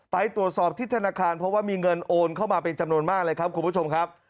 ไปตรวจสอบที่ธนาคารเพราะว่ามีเงินโอนเข้ามาเป็นจำนวนมากเลยครับคุณผู้ชมครับ